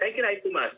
terima kasih pak